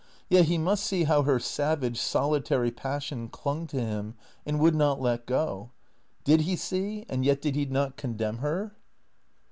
Yet he must see how her savage, solitary passion clung to him, and would not let go. Did he see, and yet did he not condemn her?